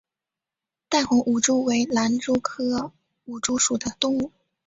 淡红舞蛛为狼蛛科舞蛛属的动物。